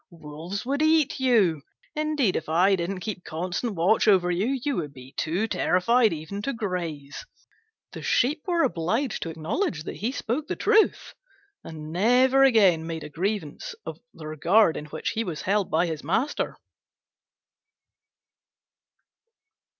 Wolves would eat you! Indeed, if I didn't keep constant watch over you, you would be too terrified even to graze!" The Sheep were obliged to acknowledge that he spoke the truth, and never again made a grievance of the regard in which he was held by his master.